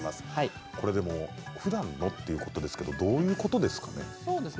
ふだんのということですけれどもどういうことですかね？